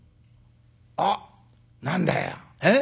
あっ何だよええ？